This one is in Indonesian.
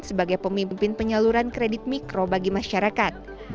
sebagai pemimpin penyaluran kredit mikro bagi masyarakat